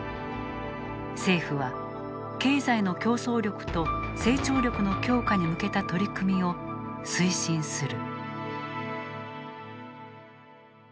政府は経済の競争力と成長力の強化に向けた取り組みを推進する。